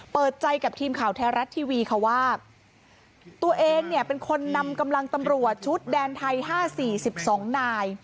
เปิดใจกับทีมข่าวแท้รัฐทีวีค่ะว่าตัวเองเนี่ยเป็นคนนำกำลังตำรวจชุดแดนไทย๕๔๒นาย